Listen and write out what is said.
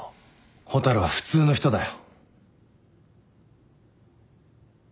蛍は普通の人だよ。